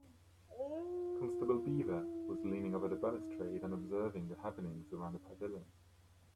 Constable Beaver was leaning over the balustrade and observing the happenings around the pavilion.